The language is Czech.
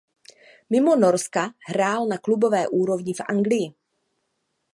Mimo Norska hrál na klubové úrovni v Anglii.